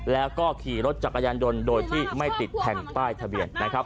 แล้วก็ขี่รถจักรยานยนต์โดยที่ไม่ติดแผ่นป้ายทะเบียนนะครับ